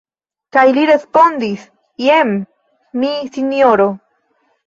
Kaj li respondis: Jen mi, Sinjoro.